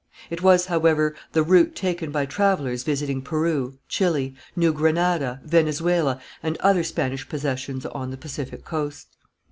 It was, however, the route taken by travellers visiting Peru, Chili, New Granada, Venezuela, and other Spanish possessions on the Pacific coast.